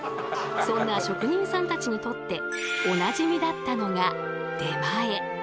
そんな職人さんたちにとっておなじみだったのが出前。